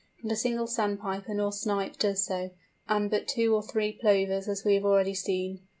Not a single Sandpiper nor Snipe does so, and but two or three Plovers, as we have already seen.